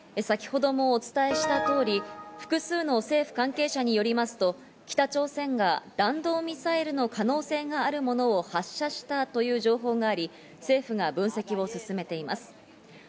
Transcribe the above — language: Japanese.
先程もお伝えしました通り、複数の政府関係者によりますと、北朝鮮が弾道ミサイルの可能性があるものを発射したという情報があり、政府が分析を進めています。